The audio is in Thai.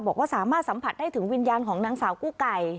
บอกว่าสามารถสัมผัสได้ถึงวิญญาณของนางสาวกู้ไก่